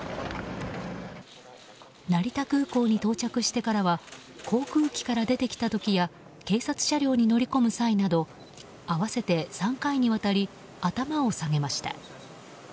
成田空港に到着してからは航空機から出てきた時や警察車両に乗り込む際など合わせて３回にわたり頭を下げました。